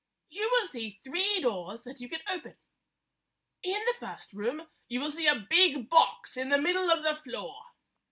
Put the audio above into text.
You will see three doors that you can open. In the first room you will see a big box in the middle of the floor.